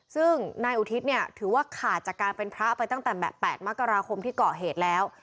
ซึ่งนายอุทิศเนี่ยถือว่าขาดจากการเป็นพระไปตั้งแต่๘มกราคมที่เกาะเหตุแล้ว